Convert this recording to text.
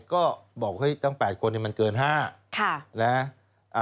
ก็บอกให้ตั้ง๘คนเนี่ยมันเกิน๕ค่ะ